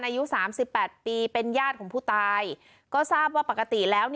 อายุสามสิบแปดปีเป็นญาติของผู้ตายก็ทราบว่าปกติแล้วเนี่ย